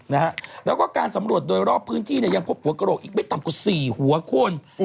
แล้วก็การสำรวจโดยรอบพื้นที่ยังพบกะโรคอีกไม่ต่ำกว่า๔หัวคน